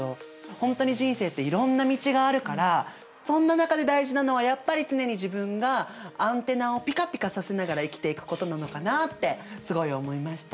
本当に人生っていろんな道があるからそんな中で大事なのはやっぱり常に自分がアンテナをピカピカさせながら生きていくことなのかなってすごい思いました。